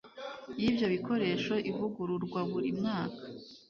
y ibyo bikoresho ivugururwa buri mwaka